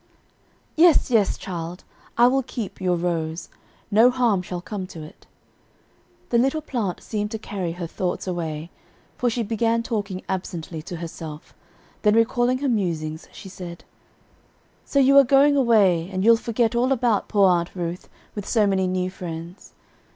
"Yes, yes, child, I will keep your rose; no harm shall come to it." The little plant seemed to carry her thoughts away, for she began talking absently to herself, then recalling her musings she said: "So you are going away; and you'll forget all about poor Aunt Ruth with so many new friends.